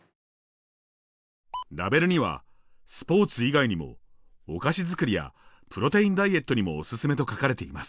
ラベルにはスポーツ以外にもお菓子作りやプロテインダイエットにもおすすめと書かれています。